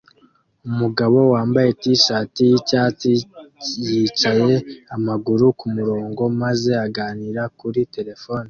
Umugabo wambaye t-shati yicyatsi yicaye amaguru kumurongo maze aganira kuri terefone